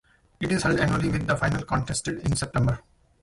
It is held annually, with the final contested in September.